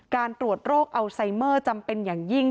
การตรวจโรคอัลไซเมอร์จำเป็นอย่างยิ่ง